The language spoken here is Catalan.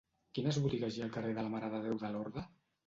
Quines botigues hi ha al carrer de la Mare de Déu de Lorda?